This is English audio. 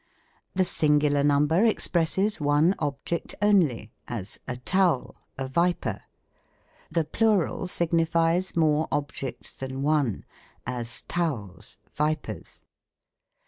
The singular number expresses one object onlj , as a towel, a viper. The plural signifies more objects than one; as, towels, vipers.